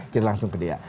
kita langsung ke dea